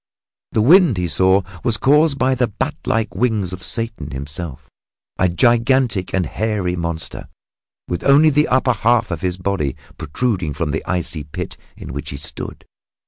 The wind, he saw, was caused by the bat like wings of Satan himself a gigantic and hairy monster, with only the upper half of his body protruding from the icy pit in which he stood.